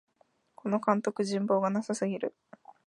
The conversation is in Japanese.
この監督、人望がなさすぎる